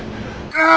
ああ！